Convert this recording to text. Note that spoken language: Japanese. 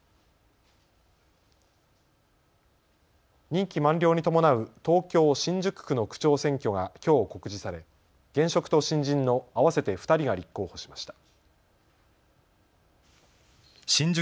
任期満了に伴う東京新宿区の区長選挙がきょう告示され現職と新人の合わせて２人が立候補しました。